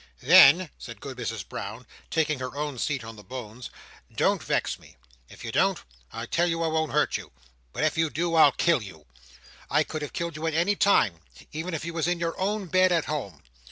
"Then," said Good Mrs Brown, taking her own seat on the bones, "don't vex me. If you don't, I tell you I won't hurt you. But if you do, I'll kill you. I could have you killed at any time—even if you was in your own bed at home.